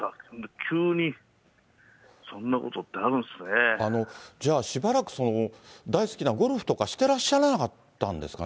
急に、そんなことってあるんですじゃあ、しばらく大好きなゴルフとかしてらっしゃらなかったんですかね。